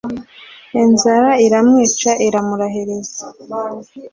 inzara iramwica iramurahiriza